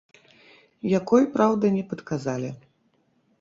Якой, праўда, не падказалі.